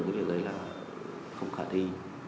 cái điều đấy là không khả thi